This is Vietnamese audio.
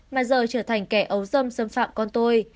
mà giờ trở thành kẻ ấu dâm xâm phạm con tôi